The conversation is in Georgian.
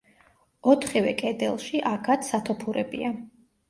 ოთხივე კედელში, აქაც, სათოფურებია.